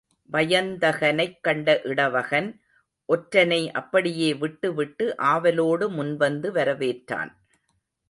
வயந்தகனைக் கண்ட இடவகன், ஒற்றனை அப்படியே விட்டு விட்டு ஆவலோடு முன்வந்து வரவேற்றான்.